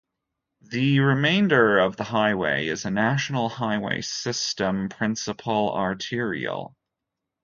The remainder of the highway is a National Highway System principal arterial.